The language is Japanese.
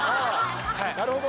なるほどね。